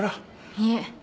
いえ。